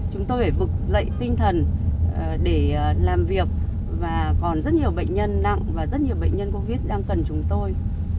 chúng tôi phải vực dậy tinh thần để làm việc và còn rất nhiều bệnh nhân nặng và rất nhiều bệnh nhân covid đang cần chúng tôi